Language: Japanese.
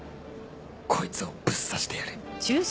こいつをぶっ刺してやる